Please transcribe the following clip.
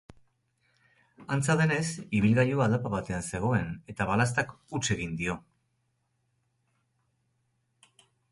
Antza denez, ibilgailua aldapa batean zegoen eta balaztak huts egin dio.